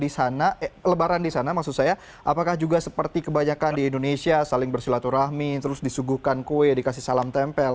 baik sampai diberi tanggal merah ya tapi kegiatan lebaran di sana apakah juga seperti kebanyakan di indonesia saling bersilaturahmi terus disuguhkan kue dikasih salam tempel